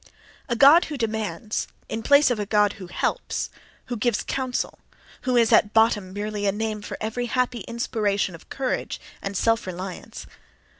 A god who demands—in place of a god who helps, who gives counsel, who is at bottom merely a name for every happy inspiration of courage and self reliance....